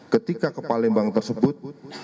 ketika ke palembang tersebut